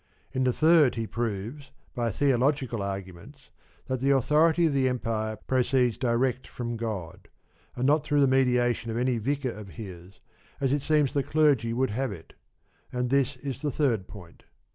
In the third, he proves, by theological arguments, that the authority of the Empire proceeds direct from God, and not through the mediation of any vicar of his, as it seems the clergy would have it ; and this is the third point.